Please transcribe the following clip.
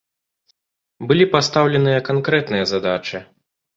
Былі пастаўленыя канкрэтныя задачы.